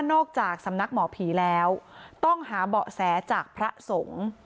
จากสำนักหมอผีแล้วต้องหาเบาะแสจากพระสงฆ์